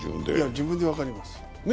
自分で分かります。